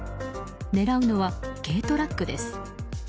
狙うのは軽トラックです。